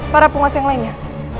para penguasa yang lainnya